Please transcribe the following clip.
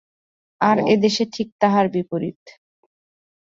আর এদেশে ঠিক তাহার বিপরীত।